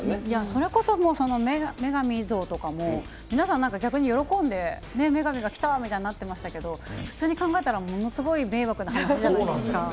それこそ女神像とかも、皆さんなんか逆に喜んで女神が来たみたいになってましたけど、普通に考えたらものすごい迷惑な話じゃないですか。